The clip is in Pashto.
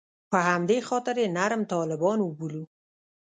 په همدې خاطر یې نرم طالبان وبولو.